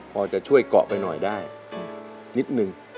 พอจะช่วยเกาะไปหน่อยได้นิดนึง